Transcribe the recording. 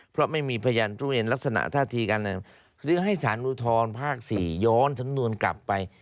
เพราะไม่มีพยานตู้เวียนลักษณะท่าทีการซึ่งให้ศาลุทรภาค๔ย้อนทั้งนู่นกลับไป